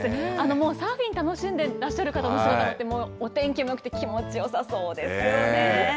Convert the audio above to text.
もうサーフィン楽しんでらっしゃる姿もあって、お天気もよくて、きれいですね。